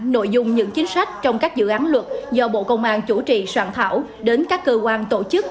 nội dung những chính sách trong các dự án luật do bộ công an chủ trì soạn thảo đến các cơ quan tổ chức